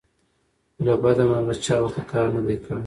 خو له بدمرغه چا ورته کار نه دى کړى